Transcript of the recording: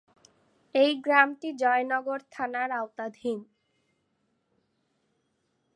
এই গ্রামটি জয়নগর থানার আওতাধীন।